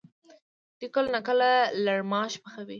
دوی کله ناکله لړماش پخوي؟